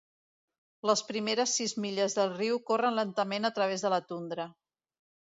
Les primeres sis milles del riu corren lentament a través de la tundra.